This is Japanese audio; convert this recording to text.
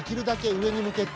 上に向けて。